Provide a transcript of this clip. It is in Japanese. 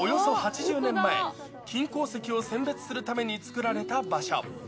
およそ８０年前、金鉱石を選別するために作られた場所。